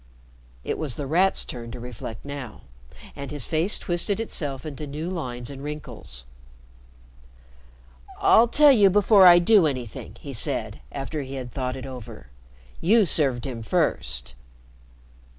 It was The Rat's turn to reflect now, and his face twisted itself into new lines and wrinkles. "I'll tell you before I do anything," he said, after he had thought it over. "You served him first."